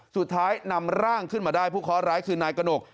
สุดท้ายนำร่างขึ้นมาได้ผู้เคาะร้ายคือนายกระหนก